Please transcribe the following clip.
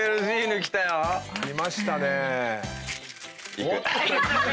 いく。